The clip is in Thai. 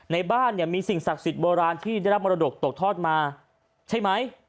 ในบ้านเนี่ยมีสิ่งศักดิ์สิทธิโบราณที่ได้รับมรดกตกทอดมาใช่ไหม